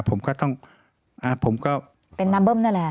ผมก็ต้องเป็นนัมเบิ้มนั่นแหละ